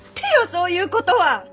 そういうことは！